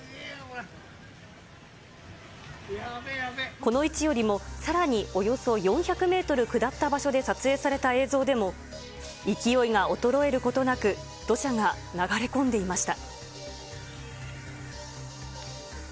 この位置よりもさらにおよそ４００メートル下った場所で撮影された映像でも、勢いが衰えることなく、土砂が流れ込んでいました。